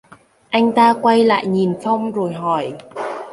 Anh ta quay lại nhìn phong rồi hỏi